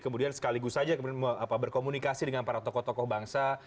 kemudian sekaligus saja kemudian berkomunikasi dengan para tokoh tokoh bangsa